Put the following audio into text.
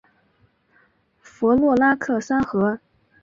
弗洛拉克三河。